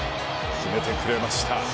決めてくれました。